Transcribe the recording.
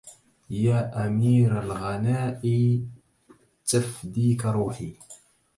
يا أمير الغناء تفديك روحي